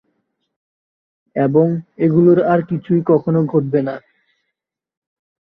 এবং, এগুলোর আর কিছুই কখনও ঘটবে না।